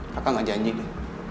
kakak gak janji deh